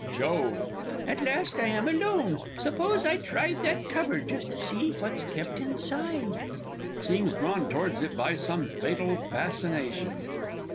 _ Joe. At last I am alone! Suppose I tried That cupboard just to see what's kept inside? [_Seems drawn towards it by some fatal fascination.